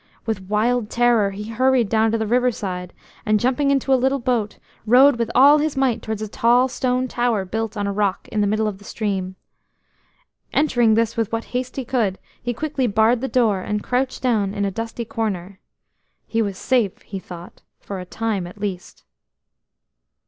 Wild with terror, he hurried down to the riverside, and jumping into a little boat, rowed with all his might towards a tall stone tower built on a rock in the middle of the stream. Entering this with what haste he could, he quickly barred the door, and crouched down in a dusty corner. He was safe, he thought, for a time at least.